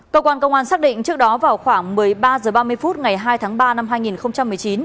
cơ quan công an xác định trước đó vào khoảng một mươi ba h ba mươi phút ngày hai tháng ba năm hai nghìn một mươi chín